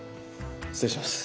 失礼します。